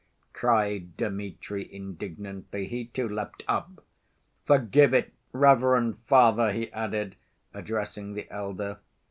cried Dmitri indignantly. He too leapt up. "Forgive it, reverend Father," he added, addressing the elder.